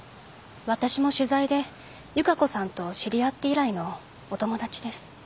私も取材で由加子さんと知り合って以来のお友達です。